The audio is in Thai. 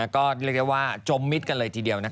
ก็เรียกได้ว่าจมมิตรกันเลยทีเดียว